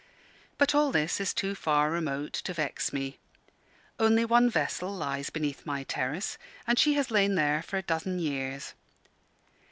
But all this is too far remote to vex me. Only one vessel lies beneath my terrace; and she has lain there for a dozen years.